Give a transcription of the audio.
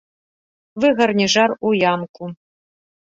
Выгарне жар у ямку.